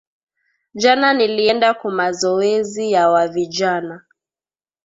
Jana nilienda kumazowezi ya wa vijana